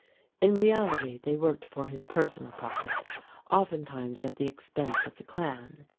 In reality they worked for his personal profit, oftentimes at the expense of the clan.